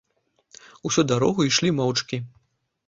Усю дарогу ішлі моўчкі.